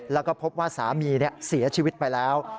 แล้วก็พบว่าสามีเสียชีวิตไปแล้ว